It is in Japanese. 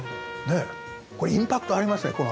ねぇこれインパクトありますね